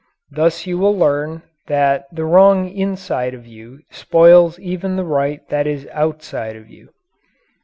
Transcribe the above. Thus you will learn that the wrong inside of you spoils even the right that is outside of you.